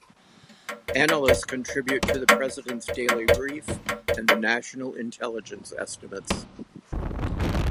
Analysts contribute to the President's Daily Brief and the National Intelligence Estimates.